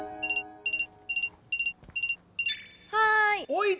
はい。